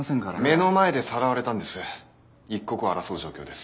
目の前でさらわれたんです一刻を争う状況です。